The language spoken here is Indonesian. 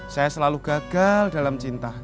saya selalu gagal dalam cinta